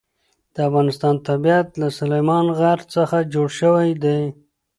د افغانستان طبیعت له سلیمان غر څخه جوړ شوی دی.